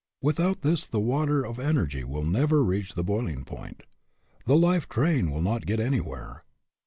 Without this the water of energy will never reach the boil ing point ; the life train will not get anywhere.